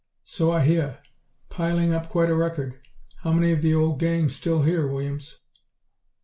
"So I hear. Piling up quite a record. How many of the old gang still here, Williams?"